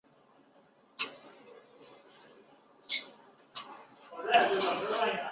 尾斑裸天竺鲷为天竺鲷科裸天竺鲷属的鱼类。